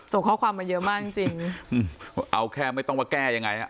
ส่งข้อความมาเยอะมากจริงจริงเอาแค่ไม่ต้องมาแก้ยังไงฮะ